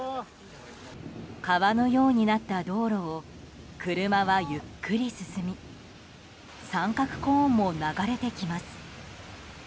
川のようになった道路を車はゆっくり進み三角コーンも流れてきます。